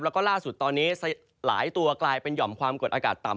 แล้วก็ล่าสุดตอนนี้หลายตัวกลายเป็นห่อมความกดอากาศต่ำ